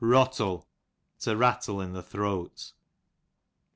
Rotlle, to rattle in the throat.